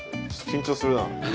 緊張するな。